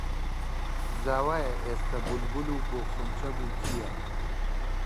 زاوایە ئێستە بولبول و گوڵخونچە بووکییە